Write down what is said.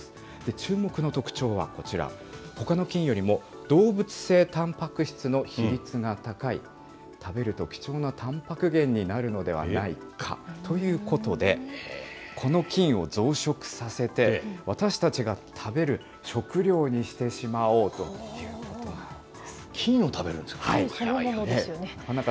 注目の特徴はこちら、ほかの菌よりも動物性たんぱく質の比率が高い、食べると貴重なたんぱく源になるのではないかということで、この菌を増殖させて、私たちが食べる食料にしてしまおうということな菌を食べるんですか？